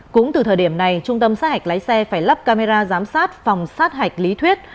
cũng từ thời điểm này trung tâm sát hạch lái xe phải lắp camera giám sát phòng sát hạch lý thuyết